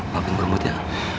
maafin gue buat ya